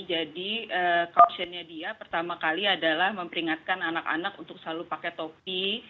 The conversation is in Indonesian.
jadi kausennya dia pertama kali adalah memperingatkan anak anak untuk selalu pakai topi